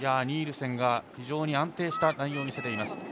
ニールセンが非常に安定した内容を見せています。